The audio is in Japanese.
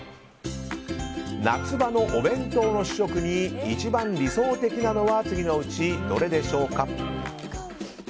夏場のお弁当の主食に一番理想的なのは次のうちどれでしょうか？